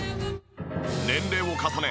年齢を重ね